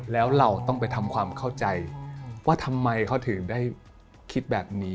แล้วเราต้องไปทำความเข้าใจว่าทำไมเขาถึงได้คิดแบบนี้